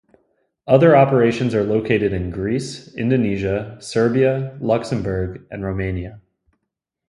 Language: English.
Other operations are located in Greece, Indonesia, Serbia, Luxembourg and Romania.